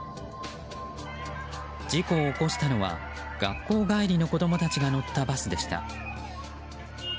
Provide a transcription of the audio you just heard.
事故を起こしたのは学校帰りの子供たちが乗ったバスでした。